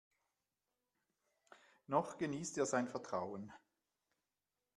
Noch genießt er sein Vertrauen.